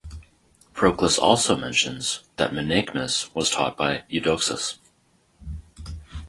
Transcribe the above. Proclus also mentions that Menaechmus was taught by Eudoxus.